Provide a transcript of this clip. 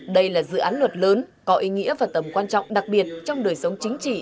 đây là dự án luật lớn có ý nghĩa và tầm quan trọng đặc biệt trong đời sống chính trị